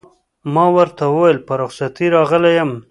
ما ورته وویل: په رخصتۍ راغلی یم.